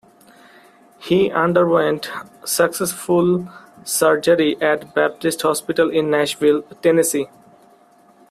He underwent successful surgery at Baptist Hospital in Nashville, Tennessee.